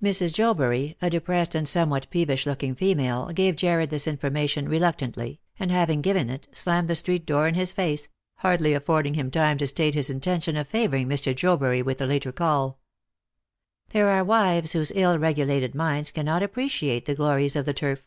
Mrs. Jobury, a depressed and somewhat peevish looking female, gave Jarred this information reluctantly, and having given it, slammed the street door in his face, hardly affording him time to state his intention of favouring Mr. Jobury with a later call. There are wives whose ill regulated minds cannot appreciate the glories of the turf.